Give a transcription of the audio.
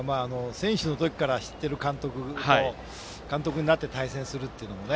選手の時から知っている人と監督になって対戦するというのもね。